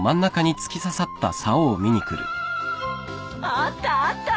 あったあった